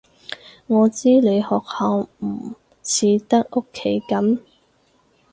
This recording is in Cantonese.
我知你學校唔似得屋企噉